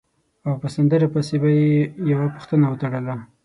او په سندره پسې به یې یوه پوښتنه وتړله.